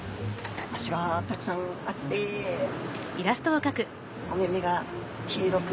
脚がたくさんあってお目々が黄色く。